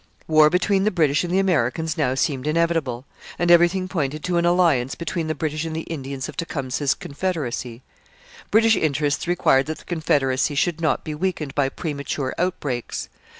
War between the British and the Americans now seemed inevitable, and everything pointed to an alliance between the British and the Indians of Tecumseh's confederacy. British interests required that the confederacy should not be weakened by premature outbreaks.